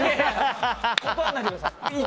断らないでください。